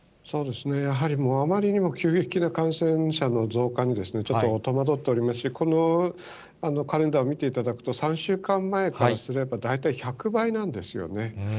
やはり、もうあまりにも急激な感染者の増加に、ちょっと戸惑っておりますし、このカレンダーを見ていただくと、３週間前からすれば大体１００倍なんですね。